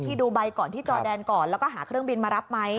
ดูใบก่อนที่จอแดนก่อนแล้วก็หาเครื่องบินมารับไหม